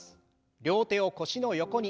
両手を腰の横に。